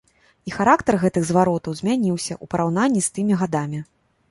І характар гэтых зваротаў змяніўся, у параўнанні з тымі гадамі.